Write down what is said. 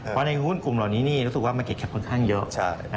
เพราะในหุ้นกลุ่มเหล่านี้นี่รู้สึกว่ามาเก็บค่อนข้างเยอะ